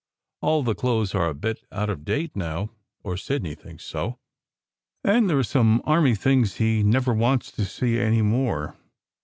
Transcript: All the clothes are a bit out of date now, or Sidney thinks so, and there are some army things he never wants to see any more.